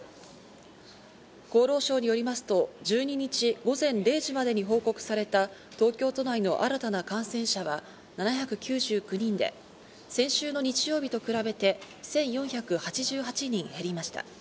厚労省によりますと１２日午前０時までに報告された東京都内の新たな感染者は７９９人で、先週の日曜日と比べて、１４８８人減りました。